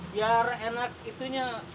biar enak itunya